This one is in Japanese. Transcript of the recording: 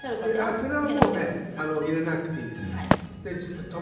それはやらなくていいです。